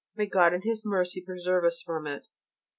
May God in His mercy preserve us from it!